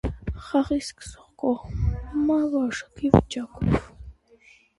Խաղը սկսող կողմը կ՚որոշուի վիճակով։